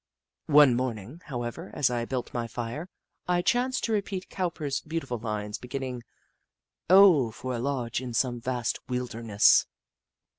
One morning, however, as I built my fire, I chanced to repeat Cowper's beautiful lines beginning :" O for a lodge in some vast wilderness